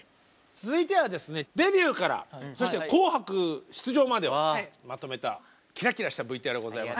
続いてはですねデビューからそして「紅白」出場までをまとめたキラキラしたＶＴＲございます。